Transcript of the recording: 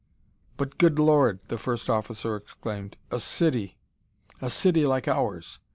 "But good Lord!" the first officer exclaimed. "A city a city like ours!